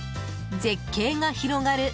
絶景が広がる